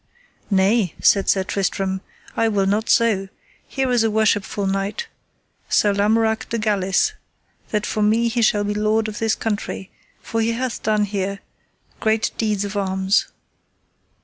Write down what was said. Nay, said Sir Tristram, I will not so; here is a worshipful knight, Sir Lamorak de Galis, that for me he shall be lord of this country, for he hath done here great deeds of arms.